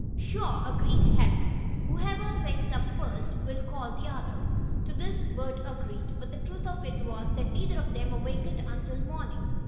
"Sure," agreed Harry. "Whoever wakes up first, will call the other." To this Bert agreed, but the truth of it was that neither of them awakened until morning.